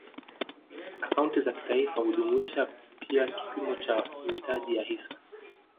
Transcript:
Akaunti za kitaifa hujumuisha pia kipimo cha mitaji ya hisa